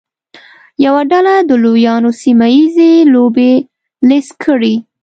یوه ډله د لویانو سیمه ییزې لوبې لیست کړي.